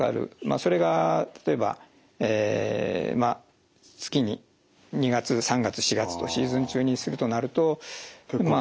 それが例えばえ月に２月３月４月とシーズン中にするとなるとまあ